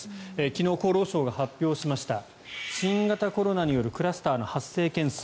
昨日、厚労省が発表しました新型コロナによるクラスターの発生件数